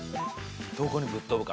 どこにぶっとぶか。